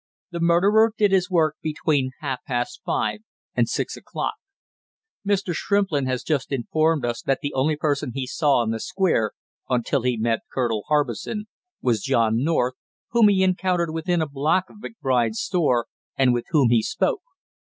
The murderer did his work between half past five and six o'clock. Mr. Shrimplin has just informed us that the only person he saw on the Square, until he met Colonel Harbison, was John North, whom he encountered within a block of McBride's store and with whom he spoke.